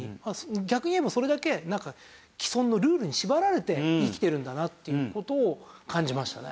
逆に言えばそれだけ既存のルールに縛られて生きてるんだなっていう事を感じましたね。